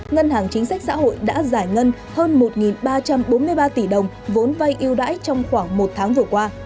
ngân hàng chính sách xã hội đã giải ngân hơn một ba trăm bốn mươi ba tỷ đồng vốn vay yêu đãi trong khoảng một tháng vừa qua